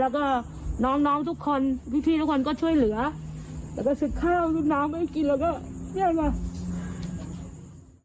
แล้วก็ซื้อข้าวน้ำไม่กินแล้วก็